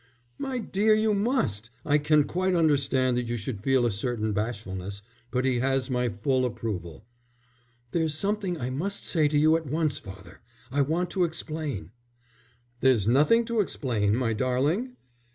"My dear, you must. I can quite understand that you should feel a certain bashfulness. But he has my full approval." "There's something I must say to you at once, father. I want to explain." "There's nothing to explain, my darling."